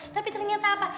tapi ternyata apa